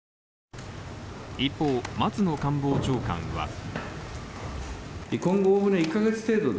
一方、松野官房長官は